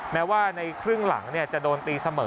แม้ว่าในครึ่งหลังจะโดนตีเสมอ